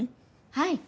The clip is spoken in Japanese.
はい。